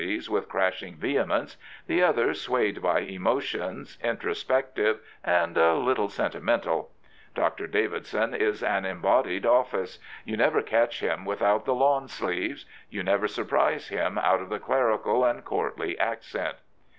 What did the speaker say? ^*with crashing vehemence, the other swayed by emotions, introspective, and a little sentimental. Dr. Davidson is an embodied office. You never catch him without the lawn sleeves. You never surprise him out of the clerical and courtly accent.